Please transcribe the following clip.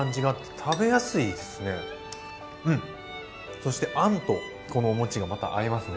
そしてあんとこのお餅がまた合いますね。